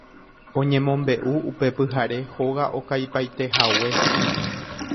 Oñemombe'u upe pyhare hóga okaipaitehague